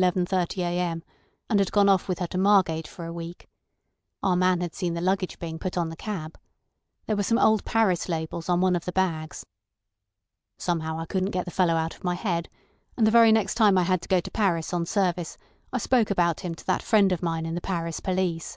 30 a.m., and had gone off with her to Margate for a week. Our man had seen the luggage being put on the cab. There were some old Paris labels on one of the bags. Somehow I couldn't get the fellow out of my head, and the very next time I had to go to Paris on service I spoke about him to that friend of mine in the Paris police.